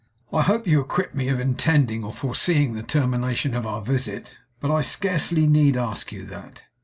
'I hope you acquit me of intending or foreseeing the termination of our visit. But I scarcely need ask you that.